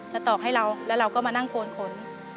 ตอกให้เราแล้วเราก็มานั่งโกนขน